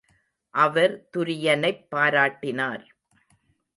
அவர் துரியனைப் பாராட்டினார்.